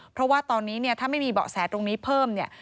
เพราะว่าตอนนี้เนี่ยถ้าไม่มีเบาะแสตรงนี้เพิ่มเนี่ย